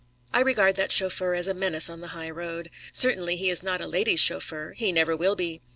I regard that chauffeur as a menace on the high road. Certainly he is not a lady's chauffeur. He never will be.